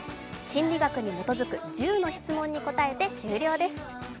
心理学に基づく１０の質問に答えて終了です。